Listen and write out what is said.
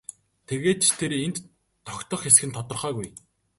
Тэгээд ч тэр энд тогтох эсэх нь тодорхойгүй.